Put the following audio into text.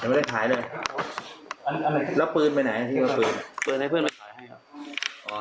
ยังไม่ได้ขายเลยแล้วปืนไปไหนปืนให้เพื่อนไปขายให้ครับ